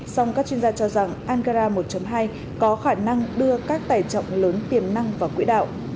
song các chuyên gia cho rằng ankara một hai có khả năng đưa các tài trọng lớn tiềm năng vào quỹ đạo